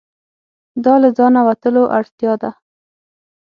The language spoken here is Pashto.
دا له ځانه وتلو اړتیا ده.